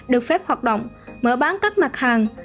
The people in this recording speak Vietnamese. được phép hoạt động mở bán các mặt hàng